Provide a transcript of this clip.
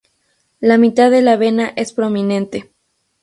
La mitad de la vena es prominente.